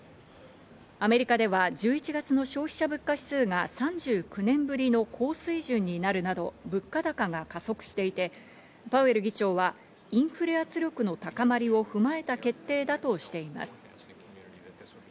アメリカでは１１月の消費者物価指数が３９年ぶりの高水準になるなど物価高が加速していってパウエル議長はインフレ圧力の高まりをふまえた決定だとしています。